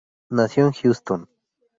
Nació en Houston.